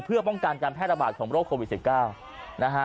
เพื่อป้องกันการแพร่ระบาดของโรคโควิด๑๙นะฮะ